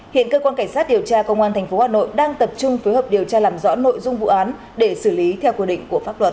hiện cơ quan cảnh sát điều tra công an tp hà nội đang tập trung phối hợp điều tra làm rõ nội dung vụ án để xử lý theo quy định của pháp luật